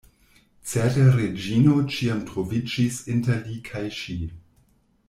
Certe Reĝino ĉiam troviĝis inter li kaj ŝi.